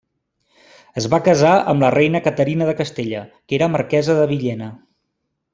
Es va casar amb la reina Caterina de Castella, que era marquesa de Villena.